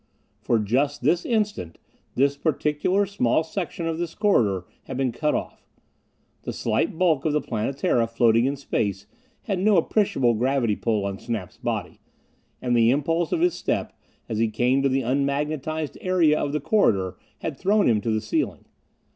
For just this instant, this particular small section of this corridor had been cut off. The slight bulk of the Planetara, floating in space, had no appreciable gravity pull on Snap's body, and the impulse of his step as he came to the unmagnetized area of the corridor had thrown him to the ceiling.